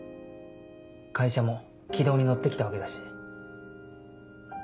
会社も軌道に乗って来たわけだし。